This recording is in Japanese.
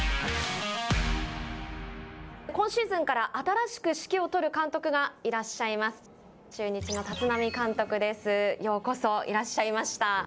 今シーズンから新しく指揮を執る監督がようこそいらっしゃいました。